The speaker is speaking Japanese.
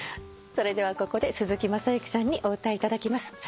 それではここで鈴木雅之さんにお歌いいただきます。